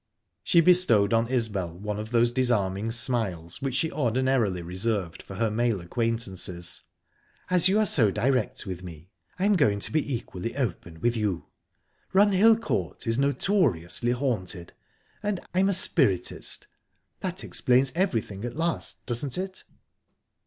She bestowed on Isbel one of those disarming smiles which she ordinarily reserved for her male acquaintances. "As you're so direct with me, I'm going to be equally open with you. Runhill Court is notoriously haunted, and...I'm a spiritist...That explains everything at last, doesn't it?"